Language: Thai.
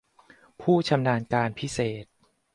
ผู้ชำนาญการพิเศษ